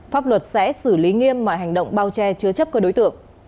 pháp luật sẽ xử lý nghiêm mọi hành động bao che chứa chấp các đối tượng